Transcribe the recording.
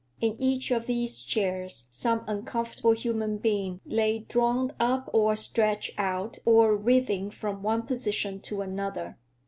In each of these chairs some uncomfortable human being lay drawn up, or stretched out, or writhing from one position to another.